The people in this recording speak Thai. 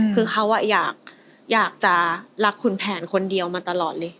คือเขาอยากจะรักคุณแผนคนเดียวมาตลอดเลย